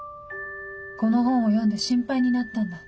この本を読んで心配になったんだ。